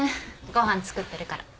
ご飯作ってるから。